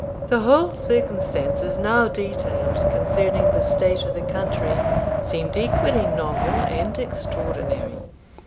The whole circumstances now detailed concerning the state of the country seemed equally novel and extraordinary.